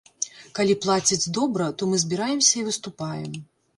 Калі плацяць добра, то мы збіраемся і выступаем.